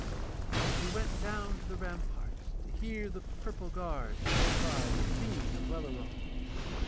And he went down to the ramparts to hear the purple guard go by singing of Welleran.